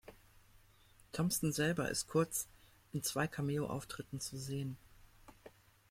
Thompson selber ist kurz in zwei Cameo-Auftritten zu sehen.